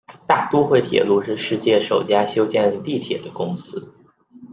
大都会铁路是世界首家修建地铁的公司。